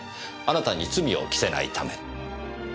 あなたに罪を着せないため。